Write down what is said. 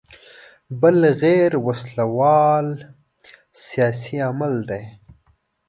بل غیر وسله وال سیاسي عمل دی.